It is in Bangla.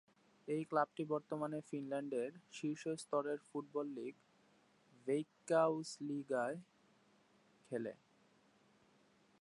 এই ক্লাবটি বর্তমানে ফিনল্যান্ডের শীর্ষ স্তরের ফুটবল লীগ ভেইক্কাউসলিগায় খেলে।